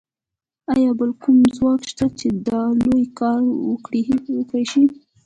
ایا بل کوم ځواک شته چې دا لوی کار وکړای شي